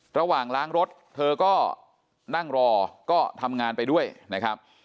ระหว่างล้างรถเธอก็นั่งรอก็ทำงานไปด้วยนะครับ